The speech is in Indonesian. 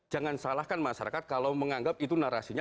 jangan salahkan masyarakat kalau menganggap itu narasinya